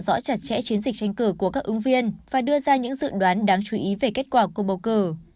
theo dõi chặt chẽ chiến dịch tranh cử của các ứng viên và đưa ra những dự đoán đáng chú ý về kết quả cuộc bầu cử